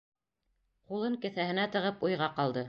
Ҡулын кеҫәһенә тығып уйға ҡалды.